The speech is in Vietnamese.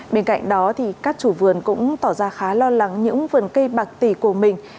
bên cạnh đó thì các chủ vườn cũng tỏ ra khá lo lắng những vườn cây bạc tỷ của mình